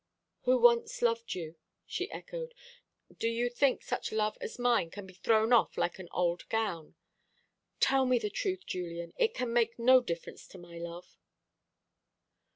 "Who once loved you," she echoed. "Do you think such love as mine can be thrown off like an old gown? Tell me the truth, Julian it can make no difference to my love."